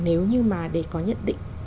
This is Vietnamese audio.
nếu như mà để có nhận định